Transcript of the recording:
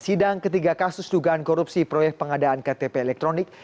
sidang ketiga kasus dugaan korupsi proyek pengadaan ktp elektronik